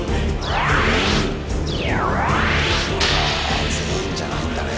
あ全員じゃないんだね。